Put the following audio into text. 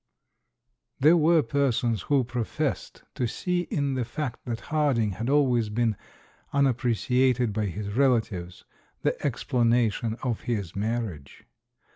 There were persons who professed to see in the fact that Harding had always been unappre ciated by his relatives, the explanation of his mar riage.